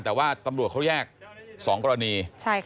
แต่ว่าตำรวจเขาแยก๒กรณี